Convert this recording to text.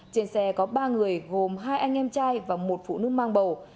trên xe có ba người gồm hai anh em trai và một phụ nữ mang bầu